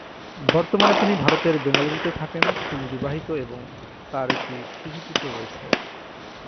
বর্তমানে তিনি ভারতের বেঙ্গালুরুতে থাকেন তিনি বিবাহিত এবং তাঁর একটি শিশুপুত্র আছে।